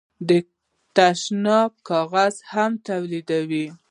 د تشناب کاغذ هم تولیدوي.